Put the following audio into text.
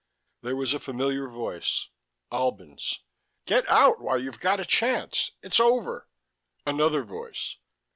There was a familiar voice Albin's: "... get out while you've got a chance it's over...." Another voice